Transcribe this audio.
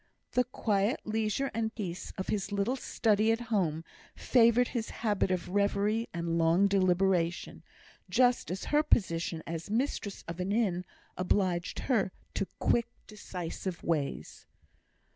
The quiet leisure and peace of his little study at home favoured his habit of reverie and long deliberation, just as her position as mistress of an inn obliged her to quick, decisive ways.